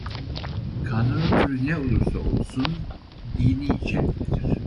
Kanunun türü ne olursa olsun dini içeriklidir.